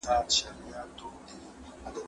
زه مخکي کتابتون ته تللي وو.